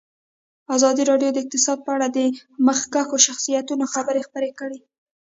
ازادي راډیو د اقتصاد په اړه د مخکښو شخصیتونو خبرې خپرې کړي.